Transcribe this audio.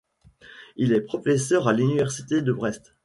Il est professeur à l'université de Brest.